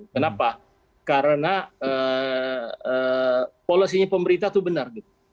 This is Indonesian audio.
kenapa karena polosinya pemerintah itu benar